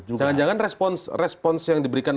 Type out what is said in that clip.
jangan jangan respons yang diberikan